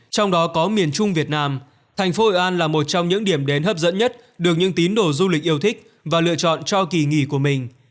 trong đó có miền trung việt nam thành phố hội an là một trong những điểm đến hấp dẫn nhất được những tín đồ du lịch yêu thích và lựa chọn cho kỳ nghỉ của mình